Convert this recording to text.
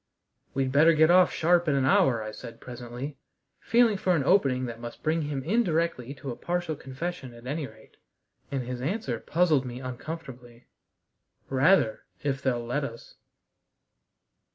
"We'd better get off sharp in an hour," I said presently, feeling for an opening that must bring him indirectly to a partial confession at any rate. And his answer puzzled me uncomfortably: "Rather! If they'll let us."